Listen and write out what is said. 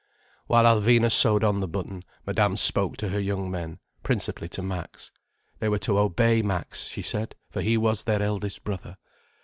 While Alvina sewed on the button, Madame spoke to her young men, principally to Max. They were to obey Max, she said, for he was their eldest brother.